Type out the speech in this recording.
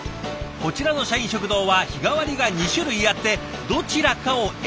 こちらの社員食堂は日替わりが２種類あってどちらかを選ぶスタイル。